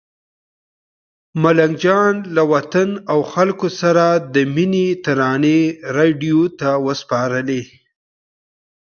ملنګ جان له وطن او خلکو سره د مینې ترانې راډیو ته وسپارلې.